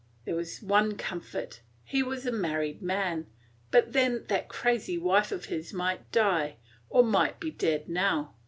There was one comfort; he was a married man; but then that crazy wife of his might die, or might be dead now.